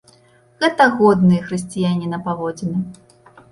Гэта годныя хрысціяніна паводзіны.